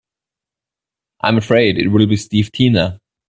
I'm afraid it'll be Steve Tina.